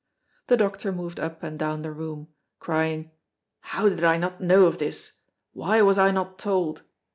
The doctor moved up and down the room, crying, "How did I not know of this, why was I not told?"